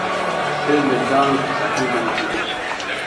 سېل د زاڼو پر ساحل باندي تیریږي٫